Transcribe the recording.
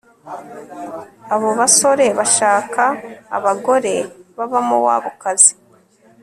abo basore bashaka abagore b'abamowabukazi